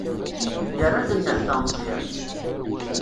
Yerra-d nnehta Meẓyan.